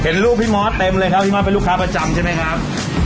ลูกพี่มอสเต็มเลยครับพี่มอสเป็นลูกค้าประจำใช่ไหมครับ